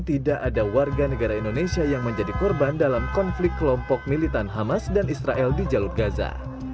tidak ada warga negara indonesia yang menjadi korban dalam konflik kelompok militan hamas dan israel di jalur gaza